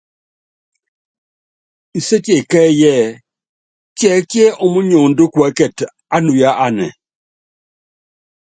Nsétie kɛ́ɛ́yí ɛɛ: Tiɛkíɛ ómóniondó kuɛ́kɛtɛ ánuya anɛ ?